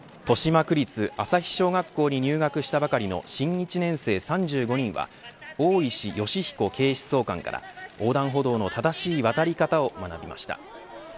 豊島区立朝日小学校に入学したばかりの新１年生３５人は大石吉彦警視総監から横断歩道の正しい渡り方を学びました。